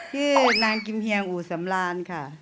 คือนางกิมเคียงอู๋สัมลานค่ะ